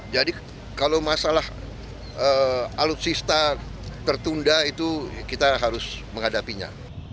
jadi kalau masalah alutsista tertunda itu kita harus menghadapinya